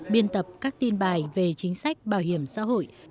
biên tập các tin bài về chính sách bảo hiểm xã hội